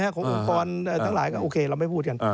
ขององค์กรทั้งหลายก็โอเคเราไม่พูดกัน